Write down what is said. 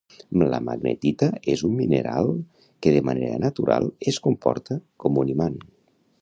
La magnetita és un mineral que de manera natural es comporta com un imant